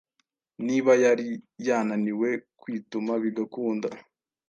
niba yari yananiwe kwituma bigakunda,